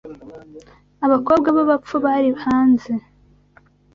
Abakobwa b’abapfu bari hanze